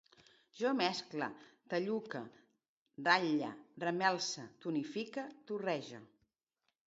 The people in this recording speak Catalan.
Jo mescle, talluque, ratlle, remelse, tonifique, torrege